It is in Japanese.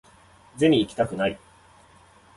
ゼミ行きたくない